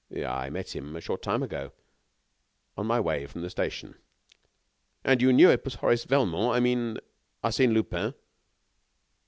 "I met him a short time ago on my way from the station." "And you knew it was Horace Velmont I mean, Arsène Lupin?"